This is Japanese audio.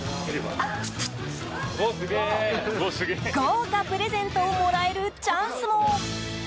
豪華プレゼントをもらえるチャンスも。